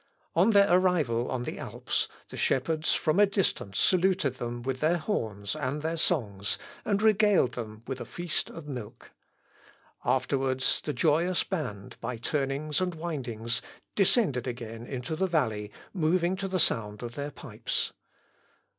On their arrival on the Alps, the shepherds from a distance saluted them with their horns and their songs, and regaled them with a feast of milk. Afterwards the joyous band, by turnings and windings, descended again into the valley, moving to the sound of their pipes.